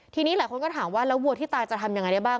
ทีนี้หลายคนก็ถามว่าแล้ววัวที่ตายจะทำยังไงได้บ้าง